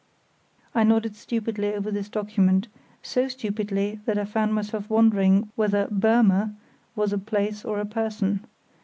I nodded stupidly over this document—so stupidly that I found myself wondering whether Burmer was a place or a person.